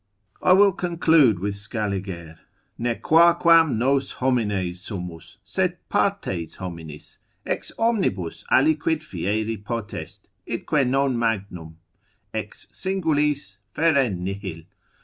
I will conclude with Scaliger, Nequaquam nos homines sumus, sed partes hominis, ex omnibus aliquid fieri potest, idque non magnum; ex singulis fere nihil.